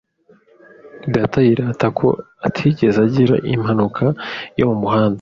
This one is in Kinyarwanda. Data yirata ko atigeze agira impanuka yo mu muhanda.